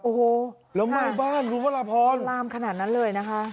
โอ้โหแล้วไหม้บ้านคุณพระราพรลามขนาดนั้นเลยนะคะ